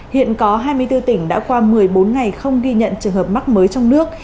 hiện có hai mươi bốn tỉnh đã qua một mươi bốn ngày không ghi nhận trường hợp mắc mới trong nước